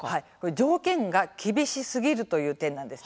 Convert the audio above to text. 条件が厳しすぎるという点なんです。